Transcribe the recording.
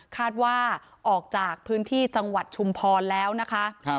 คาดว่าออกจากพื้นที่จังหวัดชุมพรแล้วนะคะ